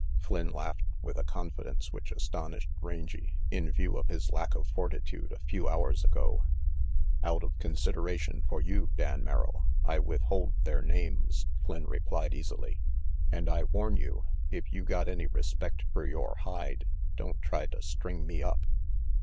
Flynn laughed with a confidence which astonished Rangy, in view of his lack of fortitude a few hours ago. "Out of consideration for you, Dan Merrill, I withhold their names," Flynn replied easily, "and I warn you, if you got any respect fer yore hide, don't try to string me up."